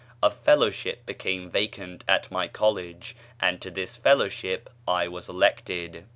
A fellowship became vacant at my college, and to this fellowship I was elected.